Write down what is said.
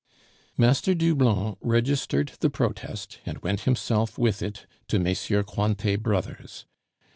Master Doublon registered the protest and went himself with it to MM. Cointet Brothers.